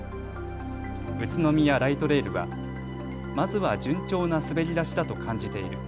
宇都宮ライトレールは、まずは順調な滑り出しだと感じている。